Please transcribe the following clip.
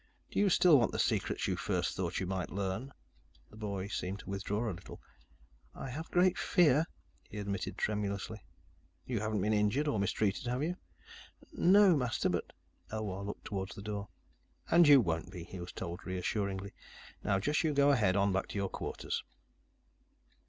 Do you still want the secrets you first thought you might learn?" The boy seemed to withdraw a little. "I have a great fear," he admitted tremulously. "You haven't been injured or mistreated, have you?" "No, Master, but " Elwar looked toward the door. "And you won't be," he was told reassuringly. "Now you just go ahead on back to your quarters."